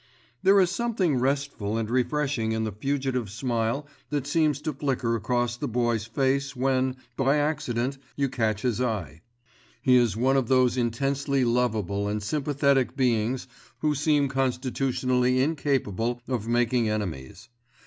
There is something restful and refreshing in the fugitive smile that seems to flicker across the Boy's face when, by accident, you catch his eye. He is one of those intensely lovable and sympathetic beings who seem constitutionally incapable of making enemies.